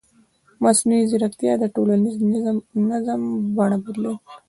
مصنوعي ځیرکتیا د ټولنیز نظم بڼه بدلوي.